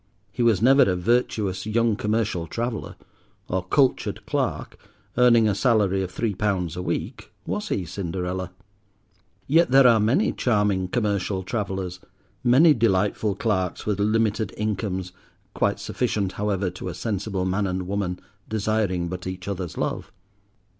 He was never a virtuous young commercial traveller, or cultured clerk, earning a salary of three pounds a week, was he, Cinderella? Yet there are many charming commercial travellers, many delightful clerks with limited incomes, quite sufficient, however, to a sensible man and woman desiring but each other's love.